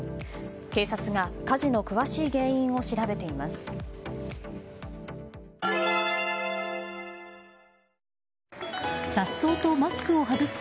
警察が火事の詳しい原因を調べています。